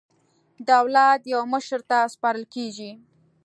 دولت یو مشر ته سپارل کېږي.